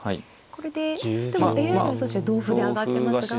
これででもＡＩの予想手同歩で挙がってますが。